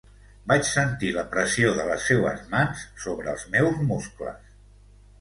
Vaig sentir la pressió de les seues mans sobre els meus muscles.